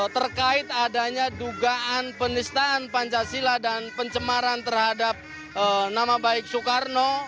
terkait adanya dugaan penistaan pancasila dan pencemaran terhadap nama baik soekarno